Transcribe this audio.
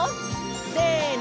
せの！